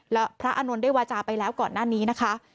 แล้วพระอานนท์ได้วาจาไปแล้วก่อนหน้านี้นะคะ